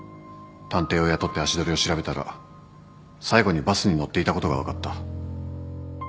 探偵を雇って足取りを調べたら最後にバスに乗っていたことが分かった。